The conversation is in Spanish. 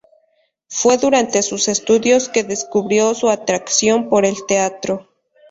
Fue durante sus estudios que descubrió su atracción por el teatro.